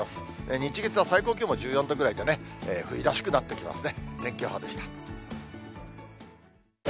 日、月は最高気温も１４度ぐらいでね、冬らしくなってきますね。